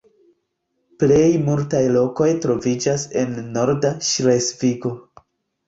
Plej multaj lokoj troviĝas en norda Ŝlesvigo.